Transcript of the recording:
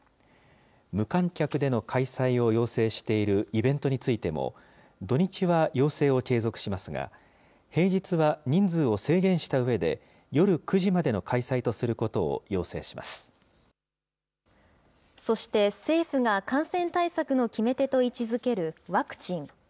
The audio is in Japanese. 無観客での開催を要請しているイベントについても、土日は要請を継続しますが、平日は人数を制限したうえで、夜９時までの開催とすることを要請そして政府が、感染対策の決め手と位置づけるワクチン。